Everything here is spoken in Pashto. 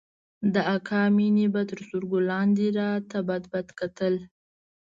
د اکا مينې به تر سترگو لاندې راته بدبد کتل.